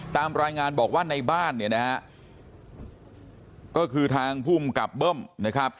ตามรายงานบอกว่าในบ้านเนี่ยนะฮะก็คือทางภูมิกับเบิ้มนะครับ